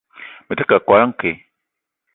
Me te keu a koala nke.